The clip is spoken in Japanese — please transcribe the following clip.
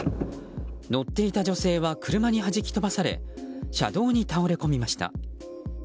乗っていた女性は車に弾き飛ばされ車道に倒れこみました。